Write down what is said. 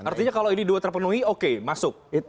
artinya kalau ini dua terpenuhi oke masuk